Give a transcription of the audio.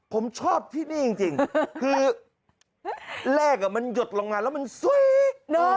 ผมชอบที่นี่จริงคือเลขมันหยดลงมาแล้วมันสวย